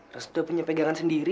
restu punya pegangan sendiri